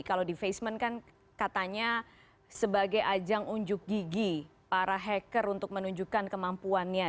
kalau di facement kan katanya sebagai ajang unjuk gigi para hacker untuk menunjukkan kemampuannya